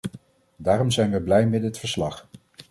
Daarom zijn wij blij met dit verslag.